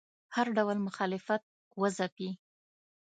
هر ډول مخالفت وځپي